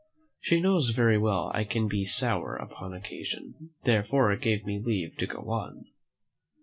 She knows very well I can be sour upon occasion, therefore gave me leave to go on.